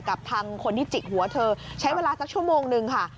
กับทางคนที่จิกหัวเธอใช้เวลาสักชั่วโมงนึงค่ะ